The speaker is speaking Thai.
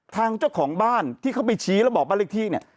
ทางเจ้าของบ้านที่เขาไปชี้แล้วบอกบ้านเลขที่เนี่ย